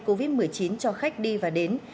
covid một mươi chín cho khách đi và đến